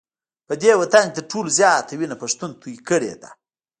په دې وطن کي تر ټولو زیاته وینه پښتون توی کړې ده